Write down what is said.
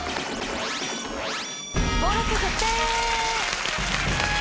登録決定！